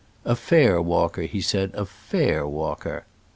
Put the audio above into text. A fair walker," he said — "a /air walker."